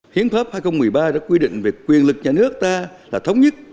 hiến pháp hai nghìn một mươi ba đã quy định về quyền lực nhà nước ta là thống nhất